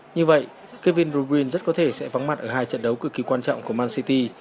như vậy kevin de bruyne rất có thể sẽ vắng mặt ở hai trận đấu cực kỳ quan trọng của man city